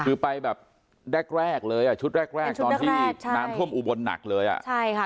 คือไปแบบแรกแรกเลยอ่ะชุดแรกแรกตอนที่น้ำท่วมอุบลหนักเลยอ่ะใช่ค่ะ